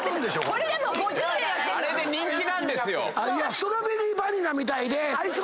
ストロベリーバニラみたいで。